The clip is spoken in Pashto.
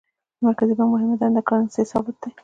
د مرکزي بانک مهمه دنده د کرنسۍ ثبات دی.